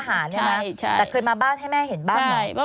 แต่เคยมาบ้านให้แม่เห็นบ้างไหม